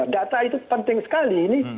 data itu penting sekali